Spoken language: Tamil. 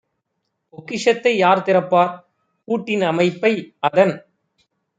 பொக்கிஷத்தை யார்திறப்பார்? பூட்டின் அமைப்பைஅதன்